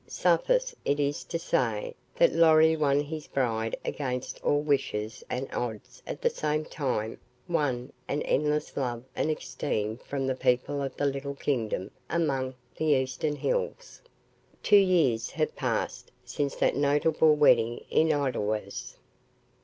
Suffice it to say that Lorry won his bride against all wishes and odds and at the same time won an endless love and esteem from the people of the little kingdom among the eastern hills Two years have passed since that notable wedding in Edelweiss.